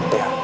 tia aku tahu